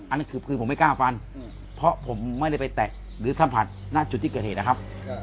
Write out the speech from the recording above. อันนั้นคือผมไม่กล้าฟันเพราะผมไม่ได้ไปแตะหรือสัมผัสหน้าจุดที่เกิดเหตุนะครับ